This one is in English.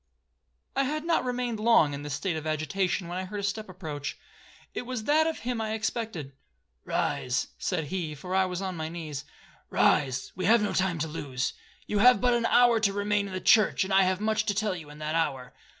'I had not remained long in this state of agitation, when I heard a step approach,—it was that of him I expected. 'Rise,' said he, for I was on my knees; 'rise,—we have no time to lose. You have but an hour to remain in the church, and I have much to tell you in that hour.'